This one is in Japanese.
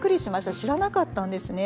知らなかったんですね。